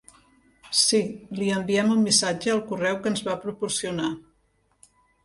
Sí, li enviem un missatge al correu que ens va proporcionar.